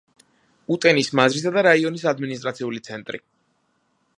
უტენის მაზრისა და რაიონის ადმინისტრაციული ცენტრი.